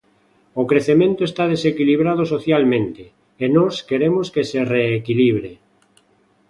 O crecemento está desequilibrado socialmente, e nós queremos que se reequilibre.